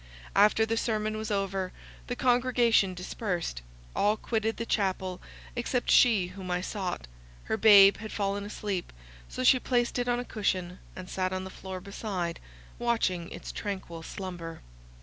After the sermon was over, the congregation dispersed; all quitted the chapel except she whom I sought; her babe had fallen asleep; so she placed it on a cushion, and sat on the floor beside, watching its tranquil slumber.